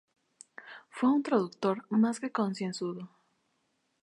Fue un traductor más que concienzudo.